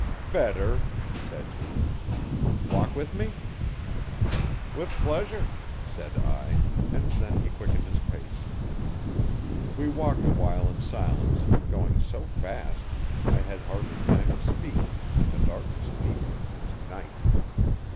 'Better,' said he. 'Walk with me? 'With pleasure,' said I, and then he quickened his pace. We walked awhile in silence, going so fast! had hardly time to speak, and the darkness deepened into night.